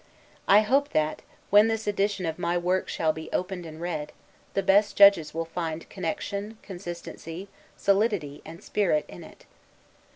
I hope that, when this edition of my works shall be opened and read, the best judges will find connection, consistency, solidity, and spirit in it.